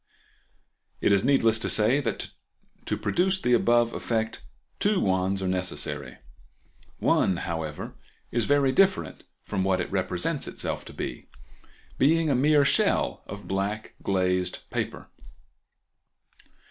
It is needless to say that to produce the above effect two wands are necessary. One, however, is very different from what it represents itself to be, being a mere shell of black, glazed paper.